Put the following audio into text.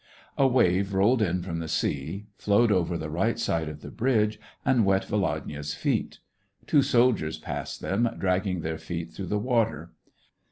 A wave rolled in from the sea, flowed over the right side of the bridge, and wet Volodya's feet ; two soldiers passed them, drag ging their feet through the water.